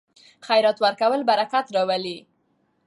خیرات ورکول برکت راوړي.